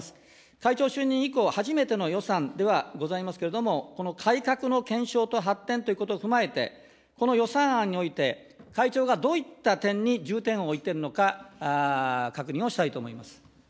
会長就任以降、初めての予算ではございますけれども、この改革の検証と発展ということを踏まえて、この予算案において、会長がどういった点に重点を置いているのか、確認をしたいと思います。